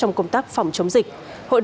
trong công tác phòng chống dịch